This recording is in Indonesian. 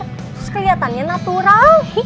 terus keliatannya natural